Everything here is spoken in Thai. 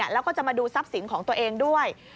แล้วก็จะมาดูทรัพย์สินของตัวเองด้วย